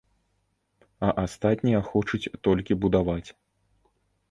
А астатнія хочуць толькі будаваць.